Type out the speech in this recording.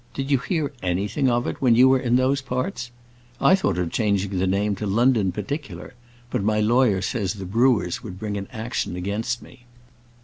Did you hear anything of it when you were in those parts? I thought of changing the name to 'London particular;' but my lawyer says the brewers would bring an action against me.